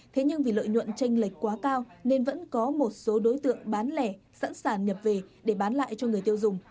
thế nhưng vì lợi nhuận tranh lệch quá cao nên vẫn có một số đối tượng bán lẻ sẵn sàng nhập về để bán lại cho người tiêu dùng